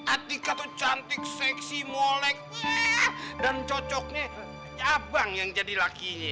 atika tuh cantik seksi molek dan cocoknya abang yang jadi lakinya